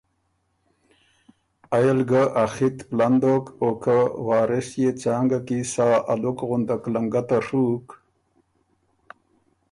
ائ ال ګه ا خِط پلن دوک او که وارث يې څانګه کی سا الُک غُندک لنګته ڒُوک۔